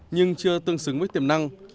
nhưng chưa tương xứng với tiềm năng